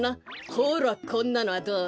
ほらこんなのはどう？